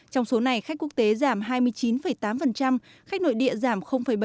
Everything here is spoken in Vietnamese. trong số này khách quốc tế giảm hai mươi chín tám khách nội địa giảm bảy